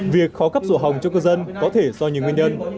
việc khó cấp sổ hồng cho cư dân có thể do nhiều nguyên nhân